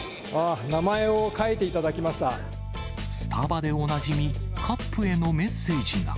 あー、スタバでおなじみ、カップへのメッセージが。